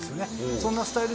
そんなスタイル